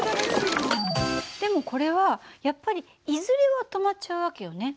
でもこれはやっぱりいずれは止まっちゃう訳よね。